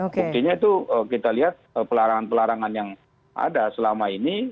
buktinya itu kita lihat pelarangan pelarangan yang ada selama ini